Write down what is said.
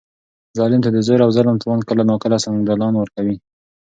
ظالم ته د زور او ظلم توان کله ناکله سنګدلان ورکوي.